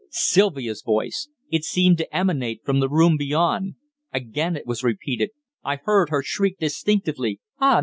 Sylvia's voice! It seemed to emanate from the room beyond! Again it was repeated. I heard her shriek distinctly "Ah!